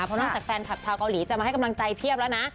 เพราะนอกจากแฟนคลับชาวเกาหลีจะมาให้กำลังใจเพียบแล้วนะ